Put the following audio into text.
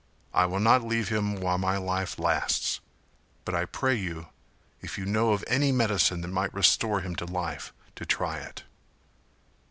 I will not leave him while my life lasts; but I pray you if you know of any medicine that might restore him to life, to try it."